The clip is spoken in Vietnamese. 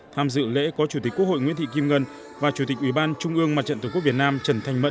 tham dự lễ có chủ tịch quốc hội nguyễn thị kim ngân và chủ tịch ủy ban trung ương mặt trận tổ quốc việt nam trần thanh mẫn